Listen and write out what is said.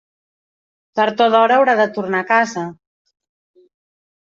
Tard o d'hora haurà de tornar a casa.